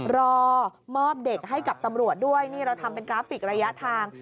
รอมอบเด็กให้กับตำรวจด้วยนี่เราทำเป็นกราฟิกระยะทาง